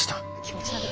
気持ち悪。